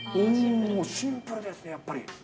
シンプルですね、やっぱり。